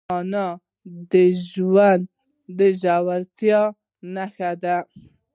مانا د ژوند د ژورتیا نښه ده.